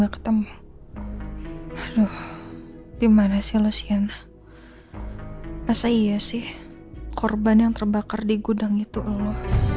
ketemu aduh dimana sih lo sienna masa iya sih korban yang terbakar di gudang itu lo